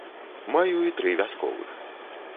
Маю і тры вясковых.